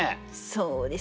そうですね